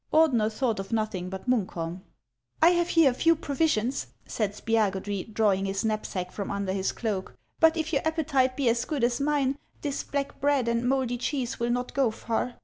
Ordener thought of nothing but Munkholm. O o " I have here a few provisions," said Spiagudry, drawing his knapsack from under his cloak ;" but if your appetite be as good as mine, this black bread and mouldy cheese will not go far.